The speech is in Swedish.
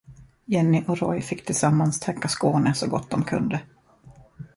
Jenny och Roy fick tillsammans täcka Skåne så gott de kunde.